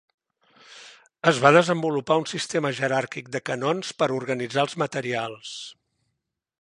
Es va desenvolupar un sistema jeràrquic de canons per organitzar els materials.